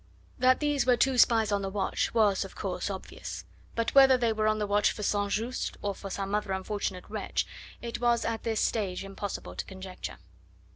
That these were two spies on the watch was, of course, obvious; but whether they were on the watch for St. Just or for some other unfortunate wretch it was at this stage impossible to conjecture.